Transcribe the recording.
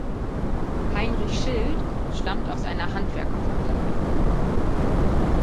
Heinrich Schild stammt aus einer Handwerkerfamilie.